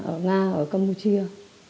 ở nga ở campuchia